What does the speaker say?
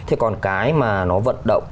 thế còn cái mà nó vận động